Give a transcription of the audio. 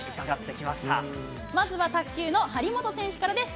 まずは卓球の張本選手からです。